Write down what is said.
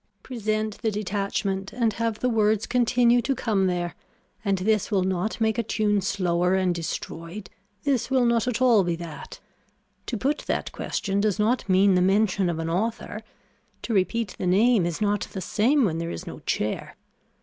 Present the detachment and have the words continue to come there and this will not make a tune slower and destroyed, this will not at all be that. To put that question does not mean the mention of an author. To repeat the name is not the same when there is no chair.